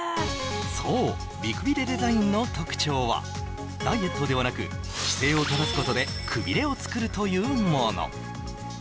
そう美くびれデザインの特徴はダイエットではなく姿勢を正すことでくびれを作るというもの